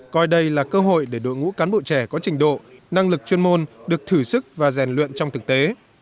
coi đây là cơ hội để đội ngũ cán bộ trẻ có trình độ năng lực chuyên môn được thử sức và rèn luyện trong thực tế